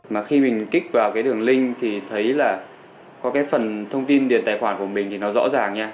mà khi mình click vào cái đường link thì thấy là có cái phần thông tin điền tài khoản của mình thì nó rõ ràng nha